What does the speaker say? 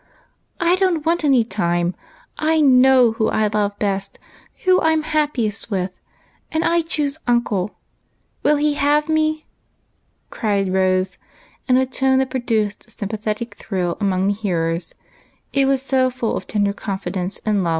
" I don't want any time ! I hiow who I love best, who I 'm happiest with, and I choose uncle. Will he have me ?" cried Rose, in a tone that produced a sym pathetic thrill among the hearers, it was so full of ten der confidence and love.